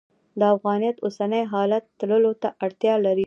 د افغانیت اوسني حالت تللو ته اړتیا لري.